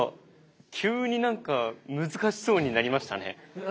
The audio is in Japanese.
急になんか難しそうになりましたね。